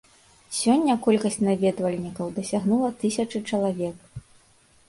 Сёння колькасць наведвальнікаў дасягнула тысячы чалавек.